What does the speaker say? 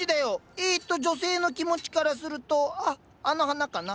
えと女性の気持ちからするとああの花かな。